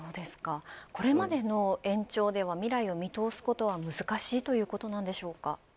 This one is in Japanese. これまでの延長では未来を見通すことは難しいということでしょうか。